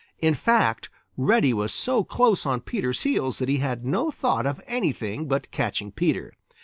In fact, Reddy was so close on Peter's heels that he had no thought of anything but catching Peter.